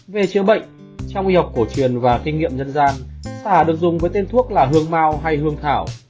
về chữa bệnh trong y học cổ truyền và kinh nghiệm nhân gian sả được dùng với tên thuốc là hương mau hay hương thảo